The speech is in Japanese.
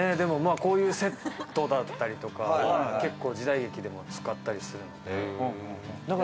こういうセットだったりとかは結構、時代劇とかでも使ったりとか。